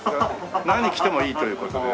何着てもいいという事で。